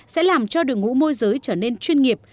sẽ làm cho đường ngũ môi giới trở nên chuyên nghiệp